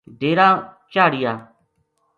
ڈیرا چاھڑیا